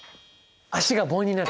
足が棒になる！